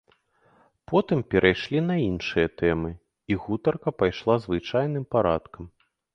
Потым перайшлі на іншыя тэмы і гутарка пайшла звычайным парадкам.